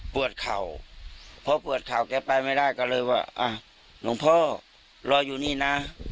เข่าพอปวดเข่าแกไปไม่ได้ก็เลยว่าอ่ะหลวงพ่อรออยู่นี่นะ